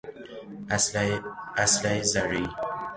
اسلحه ذرهای